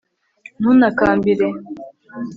ntuntakambire